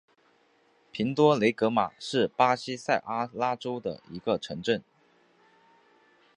平多雷塔马是巴西塞阿拉州的一个市镇。